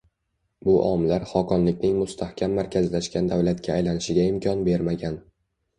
Bu omillar xoqonlikning mustahkam markazlashgan davlatga aylanishiga imkon bermagan.